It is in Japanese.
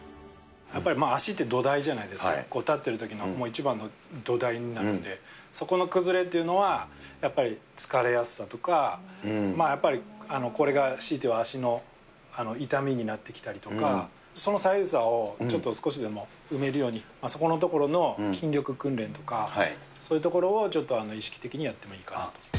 やっぱり足って土台じゃないですか、立ってるときの一番の土台になるんで、そこの崩れっていうのは、やっぱり疲れやすさとか、やっぱりこれがひいては足の痛みになってきたりとか、その左右差をちょっと少しでも埋めるように、そこの所の筋力訓練とか、そういうところをちょっと意識的にやってもいいかなと。